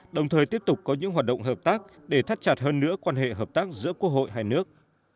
đồng thời tiếp tục có những hoạt động hợp tác để thắt chặt hơn nữa quan hệ hợp tác giữa quốc hội hai nước